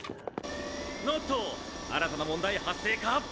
なぁっと新たな問題発生か⁉